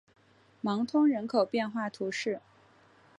芒通人口变化图示